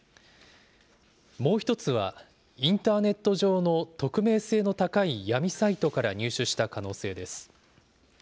もう１つは、インターネット上の匿名性の高い闇サイトから入手した可能性です。